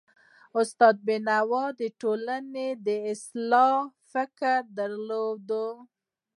استاد بینوا د ټولني د اصلاح فکر درلود.